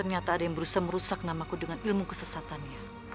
ternyata ada yang berusaha merusak namaku dengan ilmu kesesatannya